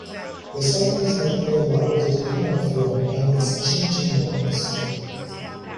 The second is mainly about the decline of Rome and its changing morals.